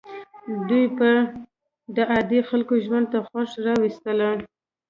دوی به د عادي خلکو ژوند ته خوښي راوستله.